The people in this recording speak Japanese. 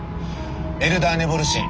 エルダー・ネボルシン。